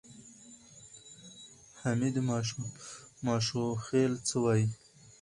حمید ماشوخېل څه وایي؟